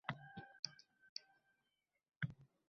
Yer chuchmomani ham, chaqirtikanakni ham baravar o’stiraveradi.